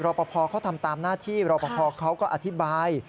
ปภเขาทำตามหน้าที่รอปภเขาก็อธิบาย